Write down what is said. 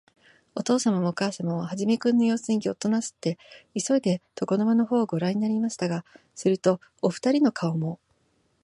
おとうさまもおかあさまも、始君のようすにギョッとなすって、いそいで、床の間のほうをごらんになりましたが、すると、おふたりの顔も、